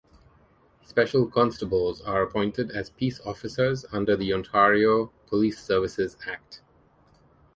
Special Constables are appointed as Peace Officers under the Ontario "Police Services Act".